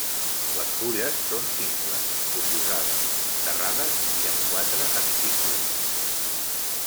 Les fulles són simples, oposades, serrades i amb quatre espícules.